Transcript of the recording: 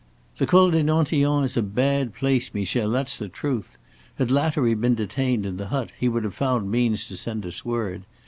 "The Col des Nantillons is a bad place, Michel, that's the truth. Had Lattery been detained in the hut he would have found means to send us word.